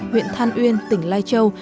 huyện than uyên tỉnh lai châu